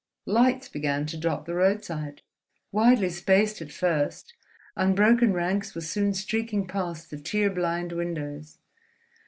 Lights began to dot the roadside. Widely spaced at first, unbroken ranks were soon streaking past the tear blind windows.